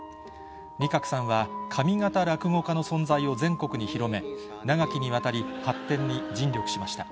仁鶴さんは、上方落語家の存在を全国に広め、長きにわたり、発展に尽力しました。